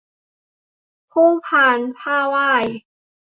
คู่พานผ้าไหว้